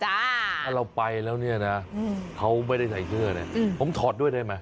ถ้าเราไปแล้วเนี่ยนะเขาไม่ได้ใส่เสื้อเนี่ยผมถอดด้วยได้ไหม